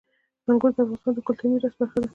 انګور د افغانستان د کلتوري میراث برخه ده.